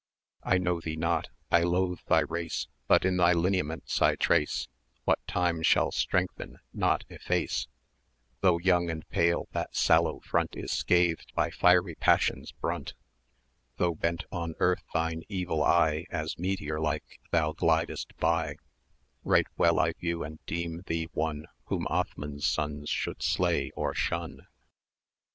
190 I know thee not, I loathe thy race, But in thy lineaments I trace What Time shall strengthen, not efface: Though young and pale, that sallow front Is scathed by fiery Passion's brunt; Though bent on earth thine evil eye,[cu] As meteor like thou glidest by, Right well I view and deem thee one Whom Othman's sons should slay or shun.